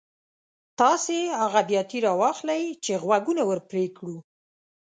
تاسې هغه بیاتي را واخلئ چې غوږونه ور پرې کړو.